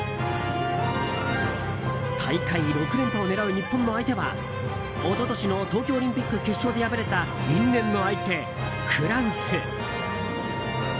大会６連覇を狙う日本の相手は一昨年の東京オリンピック決勝で敗れた、因縁の相手フランス。